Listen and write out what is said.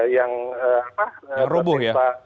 yang roboh ya